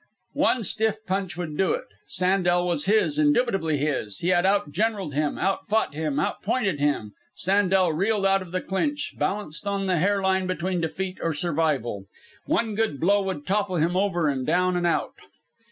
One stiff punch would do it. Sandel was his, indubitably his. He had out generalled him, out fought him, out pointed him. Sandel reeled out of the clinch, balanced on the hair line between defeat or survival. One good blow would topple him over and down and out.